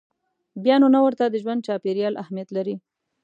بیا نو نه ورته د ژوند چاپېریال اهمیت لري.